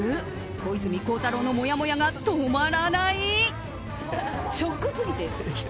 小泉孝太郎のもやもやが止まらない。